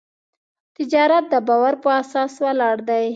تجارت د باور په اساس ولاړ دی.